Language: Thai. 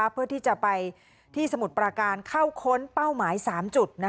เพื่อที่จะไปที่สมุทรปราการเข้าค้นเป้าหมาย๓จุด